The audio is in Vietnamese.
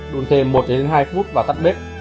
đun thêm một hai phút và tắt bếp